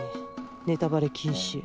ネタバレ禁止。